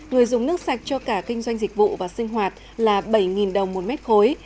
người dùng nước sạch cho cả kinh doanh dịch vụ và sinh hoạt là bảy đồng một mét khối